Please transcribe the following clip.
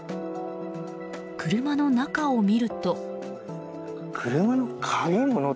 車の中を見ると。